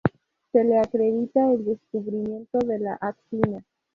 Se le acredita el descubrimiento de la actina.